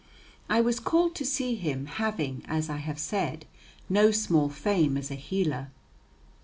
"] I was called to see him, having, as I have said, no small fame as a healer.